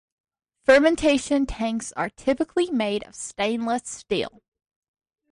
Fermentation tanks are typically made of stainless steel.